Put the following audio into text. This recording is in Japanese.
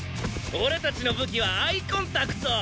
俺たちの武器はアイコンタクト！